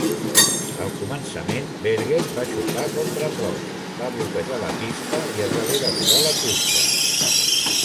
Al començament, Berger va xocar contra Prost, va bloquejar la pista i es va haver d'aturar la cursa.